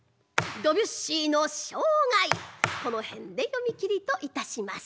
ドビュッシーの生涯この辺で読み切りといたします。